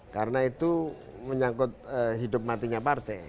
karena itu menyangkut hidup matinya partai